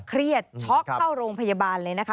ช็อกเข้าโรงพยาบาลเลยนะคะ